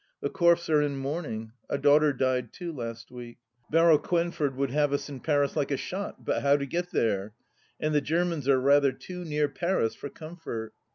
The Corfes are in mourning ; a daughter died, too, last week. Barral Quenford would have us in Paris like a shot, but how to get there ? And the (Jermans are rather too near Paris for comfort.